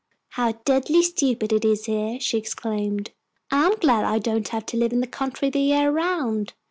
how deadly stupid it is here!" she exclaimed. "I'm glad that I don't have to live in the country the year round!